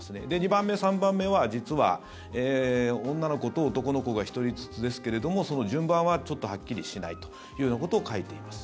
２番目、３番目は実は女の子と男の子が１人ずつですけれどもその順番はちょっとはっきりしないというようなことを書いています。